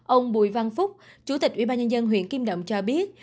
ông bùi văn phúc chủ tịch ủy ban nhân dân huyện kim động cho biết